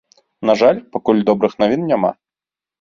На жаль, пакуль добрых навін няма.